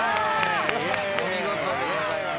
お見事でございます。